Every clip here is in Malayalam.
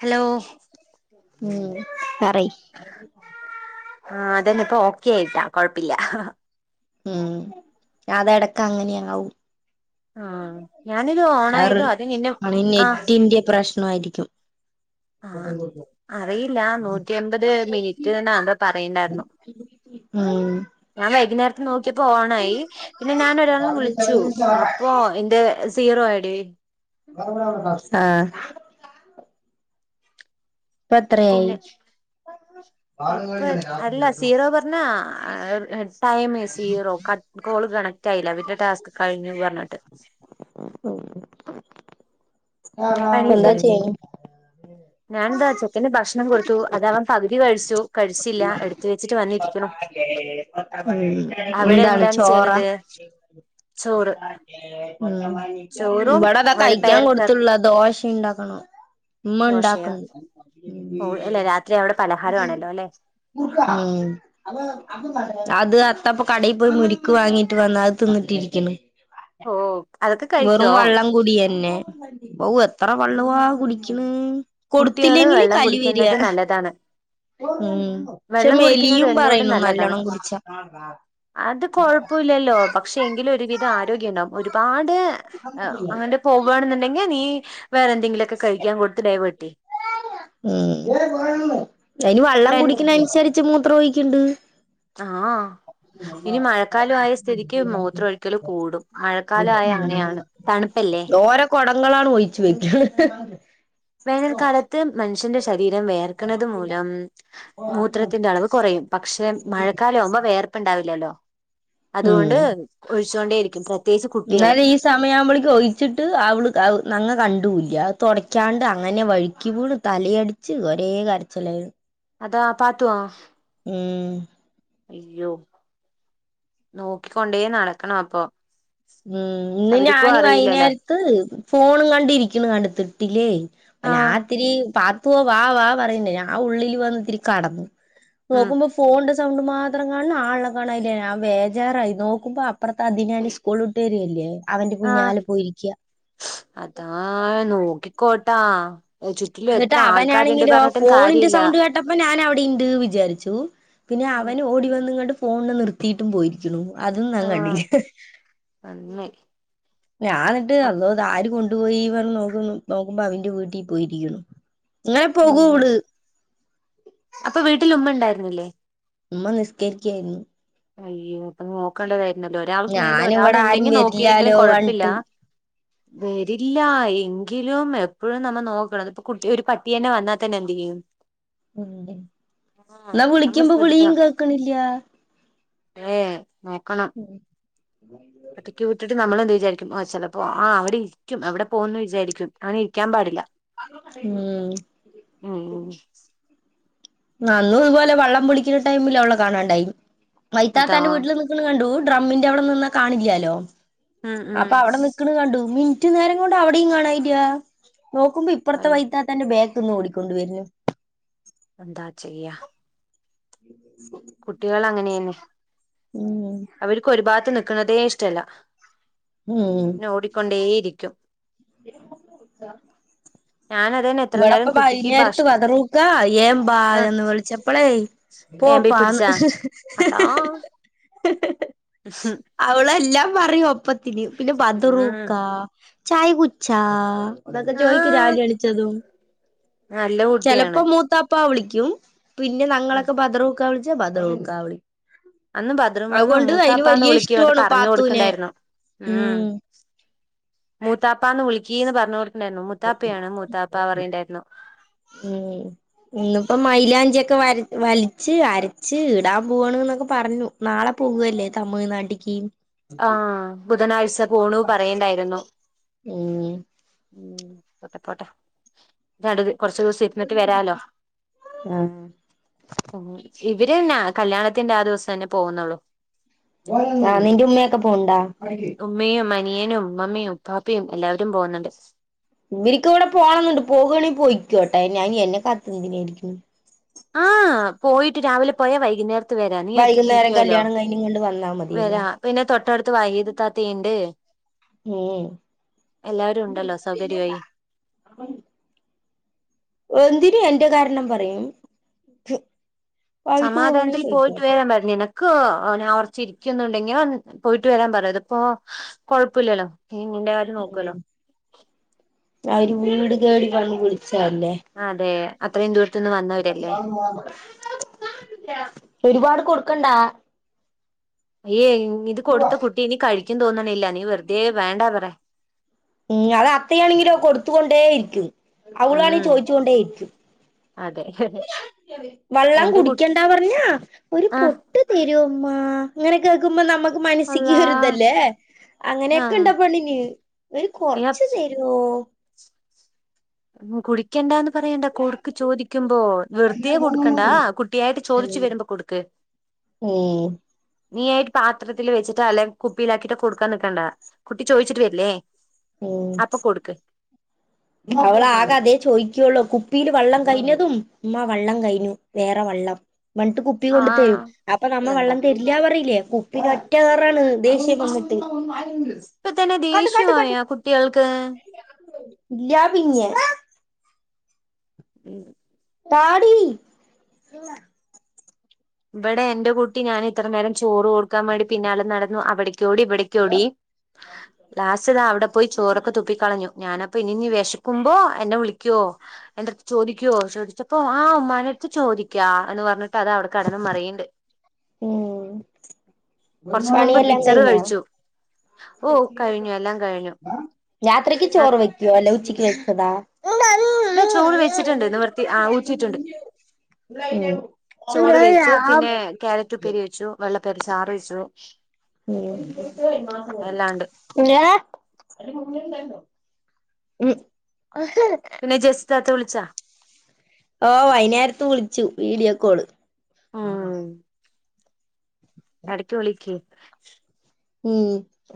ഹലോ ഉം പറയ് ആഹ് അതന്നെ ഇപ്പോ ഓക്കെയിട്ടാ കൊഴപ്പില്ല ഉം അത് എടക്ക് അങ്ങനെയാവും ആ ഞാനിത് ആറ് ഓണായതോ അത് നിന്നെ ആ നെറ്റിന്റെ പ്രശ് നമായിരിക്കും ആ അറിയില്ല നൂറ്റി അമ്പത് മിനിറ്റ്ന്നാ എന്തോ പറയ്ണ്ടായിരുന്നു ഉം ഞാൻ വൈകുന്നേരത്തിന് നോക്കിയപ്പോ ഓണായി പിന്നെ ഞാൻ ഒരാളിനെ വിളിച്ചു അപ്പൊ എന്റെ സീറോ ആയിടി ആഹ് ഇപ്പ എത്രയായി പിന്നെ ഇപ്പ അല്ല സീറോ പെ ന്നാ ടൈമ് സീറോ ക കോള് കണക്ട് ആയില്ല പിന്നെ ടാസ്ക് കഴിഞ്ഞ് പറഞ്ഞിട്ട് ഉം [unintelligible] [unintelligible] ഞാനെന്താ ചെക്കന് ഭക്ഷണം കൊടുത്തു അത് അവൻ പകുതി കഴിച്ചു കഴിച്ചില്ല എടുത്ത് വെച്ചിട്ട് വന്നിരിക്ക്ണൂ ഉം എന്താണ് ചോറാ ചോറ് ചോറും ഇവടതാ കയിക്ക്യാൻ വലപ്പയർ കർ കൊടുത്തുള്ള ദോ ഇണ്ടാക്കണം ഉമ്മ ദോശയോ ഉണ്ടാക്കുന്ന് ഓ അല്ലെ രാത്രി അവിടെ പലഹാരോണല്ലോ അല്ലേ ഉം അത് അത്ത ഇപ്പ കടയി പോയി മുരിക്ക് വാങ്ങിട്ട് വന്ന് അത് തിന്നിട്ടിരിക്കണ് ഓ അതൊക്കെ വെറും കഴിക്കോ വള്ളം കുടിയന്നേ ബവു എത്ര വെള്ളുവാ കുടിക്ക്ണ് കുട്ടികള് കൊടുത്തില്ലെങ്കില് വെള്ളം കലി വെരിയ കുടിക്കുന്നത് നല്ലതാണ് ഉം ക്ഷെ വെള്ളം കുടിക്കുന്നത് മെലിയും എന്തുകൊണ്ടും പറയണു നല്ലതാണ് നല്ലോണം കുടിച്ചാ അത് കൊഴപ്പോയില്ലല്ലോ പക്ഷെ എങ്കിലും ഒരുവിധം ആരോഗ്യം ഇണ്ടാവും ഒരുപാട് ആ അവന്റെ പോവാണ്ന്ന്ണ്ടെങ്കി നീ വേറെന്തെങ്കിലൊക്കെ കഴിക്കാ കൊടുത്ത് ഡൈവേട്ടെയ് ഉം അയിന് വള്ളം ഇവിടെ എൻ കുടിക്കണൻസരിച്ച് മൂത്രോയിക്ക്‌ണ്ട് ആഹ് ഇനി മഴക്കാലൊ ആയ സ്ഥിതിക്ക് മൂത്രോഒഴിക്കല് കൂടും മഴക്കാലായ അങ്ങനെയാണ് തണ്പ്പല്ലേ ഓരോ കൊടങ്ങളാണ് ഒയിച്ചുവെയ്ക്കണ് വേനൽക്കാലത്ത് മനുഷ്യന്റെ ശരീരം വെയർക്കണത് മൂലം മൂത്രത്തിന്റെ അളവ് കുറയും പക്ഷെ മഴക്കാലാവുമ്പോ വെയർ പ്പണ്ടാവില്ലല്ലോ അത്കൊണ്ട് ഒഴിച്ചോണ്ടേരിക്കിം ഇന്നലെ ഈ സമ സമയാവുമ്പളിക്ക്‌ ഒഴിച്ചിട്ട് അവള് അവ് ഞങ്ങ കണ്ടൂല്ല്യ അത് തൊടയ്ക്ക്യാണ്ട് അങ്ങനെ വഴുക്കി വീണ് തലയടി ച്ച് ഒരെ കര്ച്ചിലായിരുന്നു. അതാ ആ പാത്തോ? ഉം അയ്യോ നോക്കിക്കൊണ്ടെ നടക്കണം അപ്പൊ ഉം ഇന്ന് അവർക്കും ഞാന് അറിയില്ലല്ലോ വൈന്നേര്ത്ത് ഫോണും കണ്ടിരിക്ക്ണ് അട്ത്ത് ഇട്ടിലെ നാ ആഹ് ഇത്തിരി പാത്തോ വാ. വാ പറി ഇണ്ട് നാ ഉള്ളിൽ വന്ന് ഇത്തിരി കടന്നു ഉം നോക്കുമ്പം ഫോൺന്റെ സൗണ്ട് മാത്രം കാൺണ് ആൾനെ കാണാൻ ഇല്ല ഞാം വേജാറായി നോക്കുമ്പോ അപ്പർത്തെ അതിനാ നിശ് കോളുട്ടെരി അല്ലെ അവന്റെ ആഹ് പിന്നാലെ പോയിരിക്ക്യാ അതാ നോക്കിക്കോട്ടാ ചുറ്റിലും ഇന്നെട്ട് എത്ര ആൾക്കാരുണ്ട് അവനാണെങ്ങിലോ പറഞ്ഞിട്ടും ഫോണിന്റെ കാര്യമില്ല സൗണ്ട് കേട്ടപ്പോ നാൻ അവിടെ ഇണ്ട് വിചാരിച്ചു. പിന്നെ അവന് ഓടി വന്ന്ങ്ങാണ്ട് ഫോൺനെ നിർത്തിയിട്ടും പോയിരിക്ക്‌ണു അതും നാം ആഹ് കണ്ടില്ല്യാ നന്നായി ഞാ ഇന്നെട്ട് അള്ളോ ഇത് ആര് കൊണ്ടുപോയി പർൺ‌ നോക്കുന്നു നോക്കുമ്പോ അവന്റെ വീട്ടീ പോയിരിക്കുണു. ഉം അപ്പ വീട്ടിൽ ഉമ്മ ഇണ്ടായിര്ന്നില്ലെ? ഇമ്മ നിസ്കെരിക്കെര്ന്നു. അയ്യോ അപ്പ നോക്കേണ്ടതായിര്ന്നല്ലോ ഒരാൾക്ക് മേൽ ഒരാൾ ഞാനിവിടെ ആരും ഇണ്ടെങ്കി നോക്കീലെങ്കിലും വരില്ലാലോ കൊഴ്പ്പ ഇല്ല പറഞ്ഞിട്ട് വെരില്ലാ എങ്കിലും എപ്പഴും നമ്മ നോക്കെണം ഇത്പ്പം കുട്ടി ഒര് പട്ടിയെന്നെ വന്നാതെന്നെ എന്ത് ചെയ്യും [inaudible] ആഹ് ഇന്നാ നമ്മള് വിളിക്ക്മ്പം വിളിയും കേൾക്ക്ണ് ഇല്ല ഏഹ് നോക്കണം ഒറ്റെക്ക് വി ട്ടിട്ട് നമ്മൾ എന്ത് വിചാരിക്കും ആഹ് ചെലപ്പോ ആഹ് അവ്ടെ ഇരിക്കും അവിടെ പോവുംന്ന് വിചാരിക്കും അങ്ങനെ ഇരിക്ക്യാൻ പാടില്ലാ ഉം ഉം നന്നും ഇതുപോലെ വള്ളം ബുളിക്ക്‌ണ ടൈമില് അവളെ കാണാണ്ടായി അതാ മൈത്താത്താന്റെ വീട്ട്ൽ നി ക്ക്ണ് കണ്ടു ഡ്രമ്മിന്റെ അവ്ടെ നിന്നാ കാണില്ലാലോ ഉം ഉം അപ്പ അവ്ടെ നിക്ക്‌ണ് കണ്ടു ഉമ്മി റ്റ് നേരം കൊണ്ട് അവ്ടിം കാണായില്ലാ നോക്കുമ്പോ ഇപ്പറത്തെ അയ്യോ വൈതാത്താന്റെ ബേക്ക്‌ന്ന് ഓടിക്കൊണ്ട് വെര്ന്ന്. എത്താ ചെയ്യാ? ഉ [unintelligible] കുട്ടികൾ അങ്ങനെയാണ്. ഉം അവര്ക്ക് ഒര് ഭാത്ത് നിക്ക്ണതെ ഇഷ്ടം ഇല്ലാ ഇങ്ങനെ ഓടിക്കൊണ്ടെയിരിക്കും. ഇര്ക്കും [inaudible] ഞാന് അത് എന്നെ ഇവളപ്പം ബൈഞ്ഞെര്ത്ത് ബതറൂക്കാ ഏഹ് ബാ ആഹ് എന്ന് വിളിച്ചപ്പളെയ് ഏമ്പി പോപ്പാന്ന് പിടിച്ചാ അതാ അവൾ എല്ലാം പറയും അപ്പത്തിന് പിന്നെ ഉം ബദറൂക്കാ ചായ കുച്ചാ ഇതൊക്കെ ജോയിക്കും ആഹ് രാവിലെ എണീച്ച് വെന്നു നല്ല കുട്ടിയാണ് മൂത്താപ്പ വിളിക്കും പിന്നെ നങ്ങളൊക്കെ ബദറൂക്കാ വിളിച്ചാ ബദറൂക്കാ വിളി അന്ന് ബദറു മാമ മൂത്താപ്പാന്ന് വലിയ വിളിക്കു അവനു ഇഷ്ടമാണ് പരഞ്ഞ് കൊട്ക്ക് പാത്തൂനെ ഇണ്ടായിരുന്നു ഉം മൂത്താപ്പാന്ന് വിളിക്കിന്ന് പർൺ കൊട്ക്ക്ണ്ടായിരുന്നു മൂത്താപ്പയാണ് മൂത്താപ്പ പറിണ്ടായിരുന്നു. ഉം ഇന്ന് ഇപ്പം മൈയിലാഞ്ചി ഒക്കെ വര് വൽച്ച് അര്ച്ച് ഇടാൻ പോണ് ഇന്നൊക്കെ പർഞ്ഞു. നാളെ പോക അല്ലെ തമിഴ് നാട്ട്ക്ക് ആഹ് ബുധനാഴ്ച്ച പോണു പറയ് ഇണ്ടായിരുന്നു ഉം ഉം അതെ പോട്ടെ നാട്ട്ക്ക് കൊർച്ചു ദുവ്സം ഇര്ന്ന്ട്ട് വെരാലോ ആഹ് ഉം ഇവെര് നാ കല്യാണത്തിന്റെ ആ ദിവ്സം തന്നെ പോവുന്നൊള്ളു ആ നിന്റെ ഉമ്മയൊക്കെ പോണ്ടാ ഉ ഉമ്മയും അനിയനും ഉമ്മയും ഉ പാപ്പയും എല്ലാവരും പോകുന്നുണ്ട് ഇവരിക്കും ഇവിടെ പോണണ്ട് പോകുകയാണെങ്കിൽ പോയിക്കു കേട്ടെ ഞാൻ എന്നെ കാത്ത് നിന്തിന ആയിരിക്കു ആ പോയിട്ട് രാവിലെ പോയാ വൈകുന്നേ വരാ നീ വൈകുന്നേരം ഒറ്റക്കരിക്കുവല്ലോ കല്യാണം കഴിഞ്ഞ് ഇങ്ങണ്ട് വന്നാ മതിയല്ലോ വരാ പിന്നെ തൊട്ടടുത്ത് വൈത് തത്തിണ്ട് എല്ലാവരും ഉണ്ടല്ലോ സൗകര്യമായി ഏ. എന്തിനു എന്റെ കാരണം പറയും അവർക്ക് സമാധാനത്തിൽ പോവാണെങ്കി പോയിട്ട് വേ പോയിക്കോട്ടെ വെർണിണ് ക്ക് ഞാകോർച്ചിരിക്കന്നുണ്ടെങ്കി അവ പോയിട്ട് വരാൻ പറു ഇതിപ്പോ കൊഴപ്പുല്ലല്ലോ നീ നിന്റെ കാര്യം ഉ നോക്കുവല്ലോ ആര് വീട് കേടി പൺ വിളിച്ചല്ലേ അതെ അത്രയും ദൂരത്തു നിന്ന് വന്നവരല്ലേ മ [unintelligible] ഒരുപാട് കൊടുക്കണ്ടാ യ്യേ ഇത് കൊടുത്ത കുട്ടി ഇനി കഴിക്കും തോന്നണില്ല നീ വെറുതെ വേണ്ടാ പറ ഉം അത് അത്തയാണെങ്കിലോ കൊടുത്തുകൊണ്ടേ ഇരിക്കും അവളാണെ ഉം ചോദിച്ചുകൊണ്ടേയിരിക്കും അതെ വെള്ളം എന്റെ കുട്ടി കുടിക്കണ്ടാ പറഞ്ഞാ ഒരു ആഹ് പൊട്ട് തര്മ്മ അങ്ങനെ കേൾക്കുമ്പോ നമുക്ക് മനസ്സിക്ക് അള്ളാ ഒരുതല്ലേ അങ്ങനെയൊക്കെ ആഹ് ഇണ്ടാ പണ്ണിന് ഒരു നീ കൊറച്ച് തരൊ ഉ കുടിക്കണ്ടാന്ന് പറയണ്ട കൊടുക്ക് ചോദിക്കുമ്പോ വെറുതെ കൊടുക്കണ്ടാ കു ട്ടിയായിട്ട് ഉം ചോദിച്ചു വരുമ്പോ കൊടുക്ക് ഉം നീ ആയിട്ട് പാത്രത്തിൽ വെച്ചിട്ടാ അല്ലെ കുപ്പിയിലാക്കിയിട്ട് കൊടുക്കാൻ നിക്കണ്ടാ കുട്ടി ചോദിച്ചിട്ട് വരല്ലേ അപ്പൊ കൊടുക്ക അവള ആകെ അതേ ചോദിക്കുള്ളോ കുപ്പിൽ വെള്ളം കഴിഞ്ഞതും ഉമാ വെള്ളം കഴിഞ്ഞു വേറെ വെള്ളം മിട്ട് കുപ്പി കൊണ്ട് തരും ആഹ് അപ്പൊ നമ്മ എന്താ വെള്ളം തരില്ല പറയില്ലേ കു പി ഒറ്റ ഏറാണ് ദേശ്യം വന്നിട്ട് ഇപ്പ തന്നെ ദേഷ്യായോ കുട്ടികൾക്ക് ല്യ പിന്യേ ഉം താടി ഇവിടെ എന്റെ കുട്ടി ഞാൻ ഇത്ര നേരം ചോറ് കൊടുക്കാൻ വേണ്ടി പിന്നാലെ നടന്നു അവിട ക്കോടി ഇവടക്കോടി ലാസ്റ്റ് താ അവിടെ പോയി ചോറൊക്കെ തുപ്പിക്കളഞ്ഞു ഞാനപ്പൊ ഇനി വിശക്കുമ്പോ എന്നെ വിളിക്കുവോ എന്റെടുത്ത് ചോദിക്കുവോ ചോദിച്ചപ്പോ ആ ഉമ്മാന്റെ അടുത്ത് ചോദിക്കാ എന്ന് പറഞ്ഞിട്ട് അതവിടെ കടന്ന മറിയണ്ട് ഉം കൊറച്ച് മുമ്പ് പണിയെല്ലാം മിച്ചർ കഴിഞ്ഞാ കഴിച്ചു ഓ കഴിഞ്ഞു എല്ലാം കഴിഞ്ഞു രാത്രിക്ക് ചോറ് വെയ്ക്കോ അല്ലേ ഉച്ചക്ക് വെച്ചതാ ഇതാ ചോറ് വെച്ചിട്ടുണ്ട് നിവൃത്തി ആ ഊറ്റിയിട്ടുണ്ട് ചോറ് വെച്ചു പിന്നെ കാരറ്റ് ഉപ്പേരി വെച്ചു വെള്ളപ്പരി ചാറ് വെച്ചു ഉം എല്ലാണ്ട് ഉം പിന്നെ ജസിതാത്ത വിളിച്ചാ ഓ വൈകുന്നേരത്ത് വിളിച്ചു വീഡിയോ കോള് ഉം ഇടക്ക് വിളക്കുവേ ഉം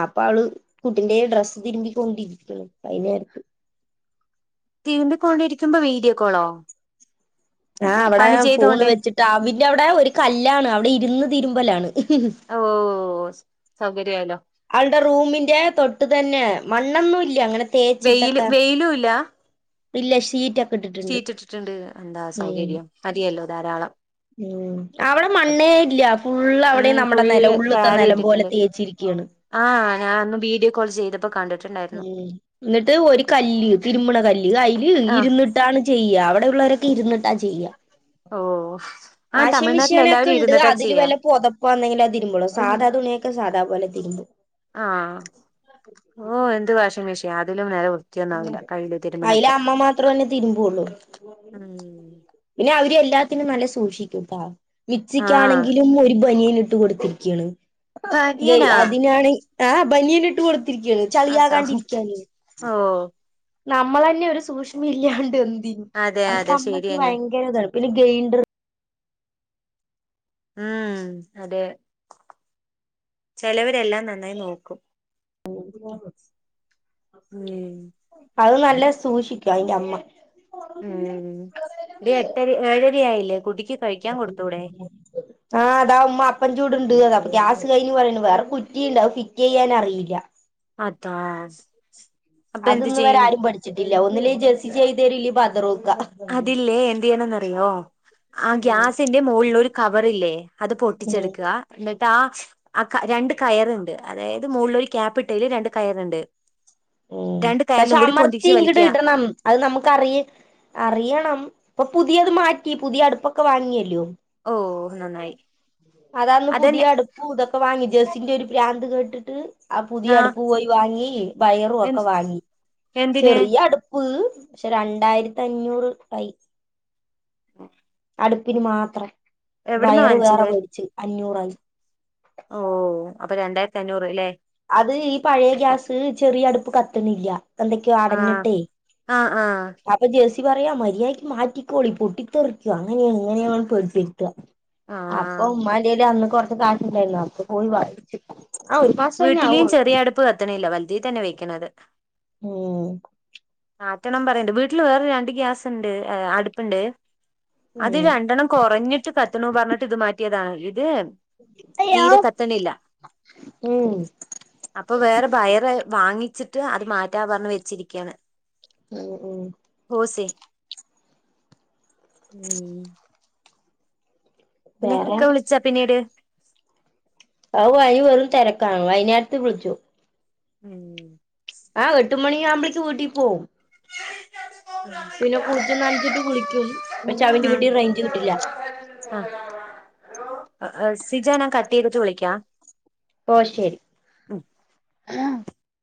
ആപ്പ ആള് കുട്ടിന്റെ ഡ്രസ്സ് തിരുമ്പിക്കൊണ്ടിരിക്കണ് അതിനരക്ക് തിരുമ്പികൊണ്ടിരിക്കുമ്പോ വീഡിയോ കോളോ ആ അവിടെ പണി ഫോൺ ചെയ്തോണ്ട് വെച്ചിട്ട് അവിന്റെ അവിടെ ഒരു കല്ലാണ് അവിടെ ഇരുന്ന് തിരുമ്പലാണ് ഓഹ്‌ സൗകര്യായാന് അവളുടെ റൂമിന്റെ തൊട്ട് തന്നെ മണ്ണൊന്നും ഇല്ല അങ്ങനെ വെയില് തേച്ചിട്ടൊക്കെ വെയിലും ഇല്ല ഇല്ല ഷീറ്റൊക്കെ ഇട്ടിട്ടുണ്ട് ഷീറ്റ് ഇട്ടിട്ടുണ്ട് എന്താ ഉം സൗകര്യം അതിയല്ലോ ധാരാളം ഉം അവിടെ അത് മണ്ണേ ഇല്ല ഫുള് ഉം അവിടെയും നമ്മുടെ നില ഫുള്ള് ഉള്ളത്തെ കയറി നിലം പോലെ ഇട്ടിട്ടുണ്ട് തേച്ചിരിക്കുകയാണ് ആഹ് ഞാൻ ഒന്ന് വീഡിയോ കോൾ ചെയ്തപ്പോ കണ്ടിട്ടു ഉം എന്നിട്ട് ഒരു കല്ല് തിരുമണ കല്ല് അല് ആഹ് ഇരുന്നിട്ട് ട്ടാണ് ചെയ്യുക അവിടെയള്ളവരൊക്കെ ഇരുന്നിട്ടാ ചെയ്യുക ഓ ആഹ് വാഷിംഗ് തമിഴ്നാട്ടിൽ മെഷീൻൊക്കെ എല്ലാവരും ഉണ്ട് ഇരുന്നിട്ടാ അതില് ചെയ്യാ വല്ല പൊത ഇപ്പ എന്തെിലുംത്തിരുമ്പോ സാധാ തുണൊക്കെ സാധാ പോലെ തിരുമ്പും ആഹ് ഓഹ് എന്ത് വാഷിംഗ മെഷീൻ അതിലും വേഗം അതിലെ അമ്മ മാത്രേന്നെ തിരുമ്പുള്ളു ഉം പിന്നെ അവര് എല്ലാത്തിനും നല്ല സൂക്ഷിക്കുംട്ടാ ആഹ് മിക്സിക്കാണെങ്കിലും ഒരു ബനിയൻ ഇട്ട് കൊടുത്തി ബനിയനാ അതിനാണ് ആ ബനിയന് ഇട്ട് കൊടുത്തിരിക്കയാണ് ആതാ ചളിയാകാണ്ടിരിക്കാന് ഓഹ്‌ നമ്മൾ തന്നെ ഒരു സൂക്ഷ്മ ഇല്ലാണ്ട് എന്തെയ അതെ അ അതെ അമ്മയ്ക്ക് ശരിയാണ് ഭയങ്കര ഇതാണ് പിന്നെ ഗ്രെയ്ൻഡർ ഉം അതെ ചിലവരെല്ലാം നന്നായി നോക്കും ഓഹ്‌ ഉം അത് നല്ല സൂക്ഷിക്കും അയിന്റെ അമ്മ ഉം ഒരു എട്ടര ഏഴര ആയില്ലേ കുട്ടിക്ക് കഴിക്കാൻ കൊടുത്തൂടെ [inaudible] ആഹ് അതാ ഉമ്മ അപ്പം ചൂട്ണ്ട് അതാ ഗ്യാസ് കൈയിഞ്ഞ് പറയ വേറെ കുറ്റിണ്ട് അത് ഫിറ്റ് ചെയ്യാൻ അറിയില്ല അതാ അപ്പൊ എന്ത് അതിന്ന് വരെ ചെയ്യും ആരും പഠിച്ചിട്ടില്ല ഒന്നില് ജേർ്സി ചെയ്തരല് പതറൂ അതില്ലേ എന്ത് ചെയ്യാണന്നറിയോ ആ ഗ്യാസിന്റെ മുകളിൽ ഒരു കവറില്ലേ അത് ഉം പൊട്ടിച്ചെടുക്കുക എന്നിട്ട് ആ ആ രണ്ട് കയറണ്ട് അതായത് മുകളിൽ ഒരു ക്യാപ്പ്ട്ടേൽ രണ്ട് കയറുണ്ട് ഉം രണ്ട് പക്ഷെ കയറിലും കൂടി അമർത്തി പൊന്തിച്ച് ഇങ്ങട് വലിക്കുക ഇടണം അത് നമുക്ക്റിയ അറിയണം ഇപ്പൊ പുതിയത് മാറ്റി പുതിയ അടുപ്പൊക്കെ വാങ്ങിയല്ലയോ ഓ നന്നായി അതന്ന് പുതിയ അതന്നെ അടുപ്പും ഇതൊക്കെ വാങ്ങി ജേസിന്റെ ഒരു പ്രാന്ത് കേട്ടിട്ട് ആ പുതിയ അടുപ്പ് പോയി വാങ്ങി വയറുംക്കെ എൻ- വാങ്ങി എന്തിന് ചെറിയ അടു വ് രണ്ടായിരത്തി അഞ്ഞൂറ് ആയി അടുപ്പിന് മാത്രം എവിടന്നാ വയറ് വേറെ വാങ്ങിച്ചത് മേടിച്ചു അഞ്ഞൂറായി ഓ അപ്പൊ രണ്ടായിരത്തി അഞ്ഞൂറല്ലെ അത് ഈ പഴയ ഗ്യാസ് ചെറിയ അടുപ്പ് കത്തണില്ല എന്തൊക്കെയോ ആ അടഞ്ഞിട്ടേ ആ ആ അപ്പൊ ജേഴ്സി പറയാ മര്യാദയ്ക്ക് മാറ്റിക്കോളി പൊട്ടിത്തെറിക്കുക അങ്ങനെയ ഇങ്ങനെയ പേടിപ്പിപ്പിക്ക ആഹ് അപ്പൊ ഉമ്മാലയില് അന്ന് കൊറച്ച് കാശ്ണ്ടായിരുന്നു അപ്പ പോയി വാങ്ങി ആഹ് ഒരു മാ വീട്ടില് ചെറിയ അടുപ്പ് കത്തണില്ല വലുതീ തന്നെ വെക്കണന്നത് ഉം ആക്കണ്ണം പറയണ്ട് വീട്ടില് വേറെ രണ്ട് ഗ്യാസ്ണ്ട് അടുപ്പുണ്ട് അത് ഉം രണ്ടെണ്ണം കുറഞ്ഞിട്ട് കത്തണ പറഞ്ഞിട്ട് ഇത് മാറ്റിയതാണ് ഇത് തീരെ കത്തണില്ല ഉം അപ്പൊ വേറെ വയറ് വാങ്ങിച്ചിട്ട് അത് മാറ്റാ പറഞ്ഞഞ് വെച്ചിരിക്കയാണ് ഉം ഉം ഓസേ ഉം [inaudible] പിന്നെ വേറെ ഇക്ക വിളിച്ചാ പിന്നീട് അയ് വയ് വെറും തെരക്കാണ് വൈന്നേരത്ത് വിളിച്ചു ഉം ആഹ് എട്ട് മണിയാകുമ്പഴേക്ക് വീട്ടി പോവും പിന്നെ കുളിച്ചും നനച്ചിട്ട് വിളിക്കും പക്ഷെ അവന്റെ വീട്ടി റേഞ്ച് കിട്ടില്ല ആഹ് ആഹ് ആഹ് സിജാനാ കട്ട് ചെയ്ത്ട്ട് വിളിക്കാ ഓഹ് ശെരി